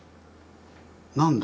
何だ？